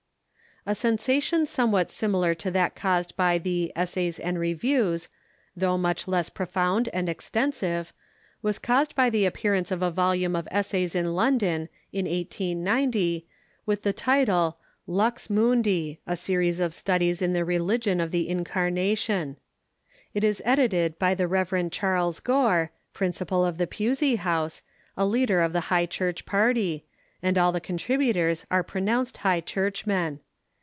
A sensation somewhat similar to that caused by the "Es says and Reviews," though much less profound and extensive, was caused by the appearance of a volume of es " u."^Mu°ndi°" ^'"^y^ "^ London, in 1890, with the title " Lux Mun di : a Series of Studies in the Religion of the In carnation." It is edited by the Rev. Charles Gore, principal of the Pusey House, a leader of the High Church party, and all the contributors are pronounced High Churchmen.